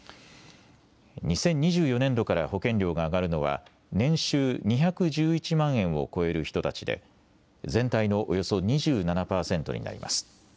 ２０２４年度から保険料が上がるのは年収２１１万円を超える人たちで全体のおよそ２７％になります。